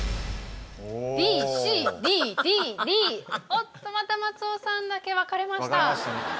おっとまた松尾さんだけ分かれました。